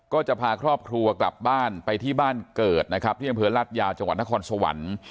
ก็จะพาครอบครัวกลับบ้านไปที่บ้านเกิดนะครับที่อำเภอรัฐยาวจังหวัดนครสวรรค์